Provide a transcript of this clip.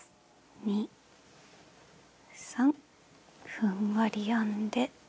２３ふんわり編んで。